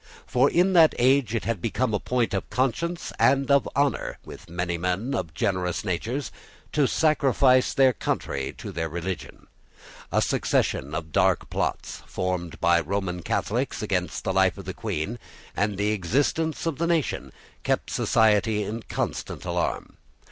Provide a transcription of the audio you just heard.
For in that age it had become a point of conscience and of honour with many men of generous natures to sacrifice their country to their religion. A succession of dark plots, formed by Roman Catholics against the life of the Queen and the existence of the nation, kept society in constant alarm.